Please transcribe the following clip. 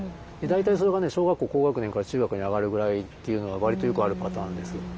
大体それが小学校高学年から中学に上がるぐらいっていうのが割とよくあるパターンです。